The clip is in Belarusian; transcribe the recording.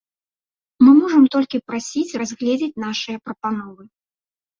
Мы можам толькі прасіць разгледзець нашыя прапановы.